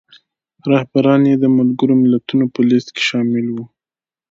رهبران یې د ملګرو ملتونو په لیست کې شامل وو.